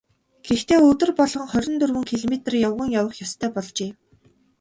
Гэхдээ өдөр болгон хорин дөрвөн километр явган явах ёстой болжээ.